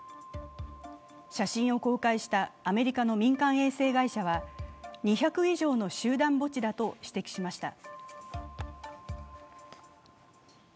写真を公開したアメリカの民間衛星会社は２００以上の集団墓地だと指摘しました。